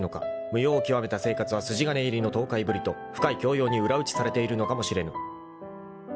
［無用を極めた生活は筋金入りのとうかいぶりと深い教養に裏打ちされているのかもしれぬ］